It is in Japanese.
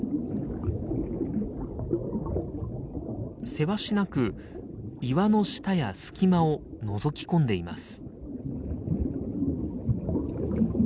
せわしなく岩の下や隙間をのぞき込んでいます。